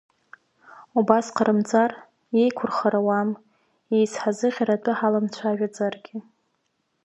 Убас ҟарымҵар, иеиқәырхара ауам, иеизҳа-зыӷьара атәы ҳаламцәажәаӡаргьы.